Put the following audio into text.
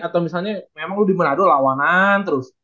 atau misalnya memang lu di manado lawanan terus